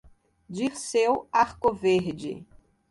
Dirceu Arcoverde